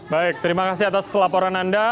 baik terima kasih atas laporan anda